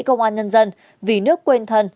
công an nhân dân vì nước quên thân